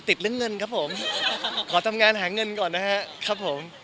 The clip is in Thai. ติดเรื่องเงินครับผมขอทำงานหาเงินก่อนนะครับครับผม